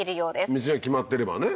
道が決まってればね